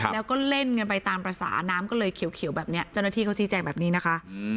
แล้วก็เล่นกันไปตามภาษาน้ำก็เลยเขียวแบบนี้เจ้าหน้าที่เขาชี้แจงแบบนี้นะคะ